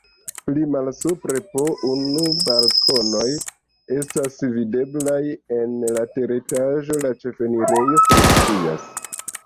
Pli malsupre po unu balkonoj estas videblaj, en la teretaĝo la ĉefenirejo funkcias.